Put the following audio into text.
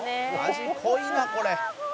「味濃いなこれ」